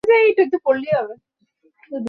ওহ, তোমাকে করতে হবেনা, প্রিয়।